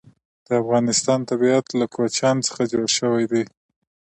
د افغانستان طبیعت له کوچیان څخه جوړ شوی دی.